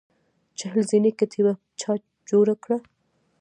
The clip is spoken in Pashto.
چهل زینې کتیبه چا جوړه کړه؟